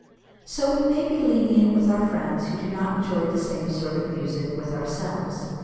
So we may be lenient with our friends who do not enjoy the same sort of music with ourselves.